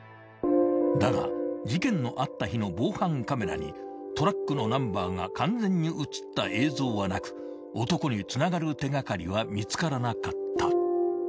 ［だが事件のあった日の防犯カメラにトラックのナンバーが完全に写った映像はなく男につながる手掛かりは見つからなかった］